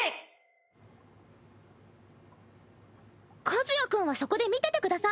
和也君はそこで見ててください。